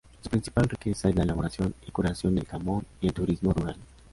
Su principal riqueza es la elaboración y curación del jamón y el turismo rural.